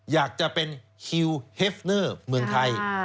อยากจะเป็นคิวเฮฟเนอร์เมืองไทย